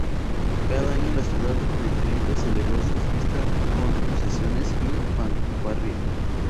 Cada año la ciudad de Trento celebró su fiesta con procesiones y fanfarria.